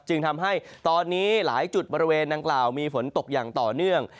จึงทำให้ตอนนี้หลายจุดบริเวณดังกล่าวมีฝนตกอย่างต่อเนื่อง